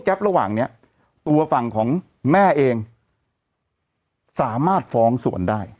แล้วก็ต้องไปหาคนหน้าตาดี